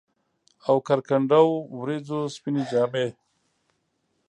اوکر کنډو ، وریځو سپيني جامې